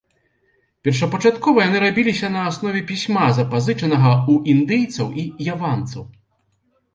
Першапачаткова яны рабіліся на аснове пісьма, запазычанага ў індыйцаў і яванцаў.